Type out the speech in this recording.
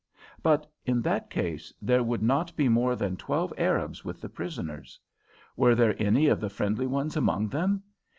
But in that case there would not be more than twelve Arabs with the prisoners. Were there any of the friendly ones among them?